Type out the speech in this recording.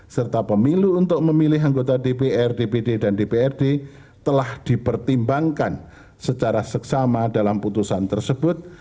serta pemilu untuk memilih anggota dpr dpd dan dprd telah dipertimbangkan secara seksama dalam putusan tersebut